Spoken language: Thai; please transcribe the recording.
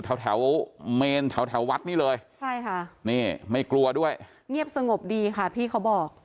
แถวแถวเมนแถววัดนี่เลยใช่ค่ะนี่ไม่กลัวด้วยเงียบสงบดีค่ะพี่เขาบอก